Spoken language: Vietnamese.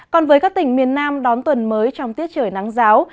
còn với các tỉnh miền nam đón tuần mới trong tiết trời nắng giáo